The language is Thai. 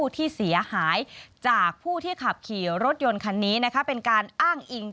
ถูกต้อง